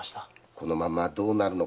このままどうなるのかと思って。